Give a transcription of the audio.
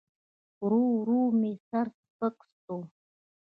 ورو ورو مې سر سپک سو.